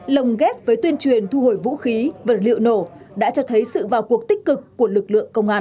lồng ghép với tuyên truyền thu hồi vũ khí vật liệu nổ đã cho thấy sự vào cuộc tích cực của lực lượng công an